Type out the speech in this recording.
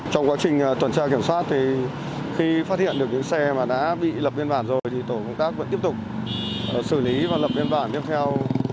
trong quá trình tuần tra kiểm soát thì khi phát hiện được những xe mà đã bị lập biên bản rồi thì tổ công tác vẫn tiếp tục xử lý và lập biên bản tiếp theo